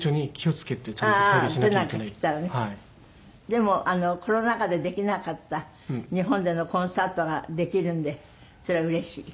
でもコロナ禍でできなかった日本でのコンサートができるんでそれはうれしい？